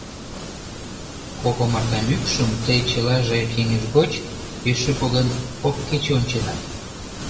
Кок омарта мӱкшым тый чылаже кеҥеж гоч, пеш шуко гын, кок кече онченат.